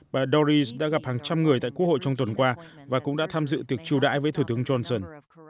bà doris đã gặp hàng trăm người tại quốc hội trong tuần qua và cũng đã tham dự tiệc chiêu đãi với thủ tướng johnson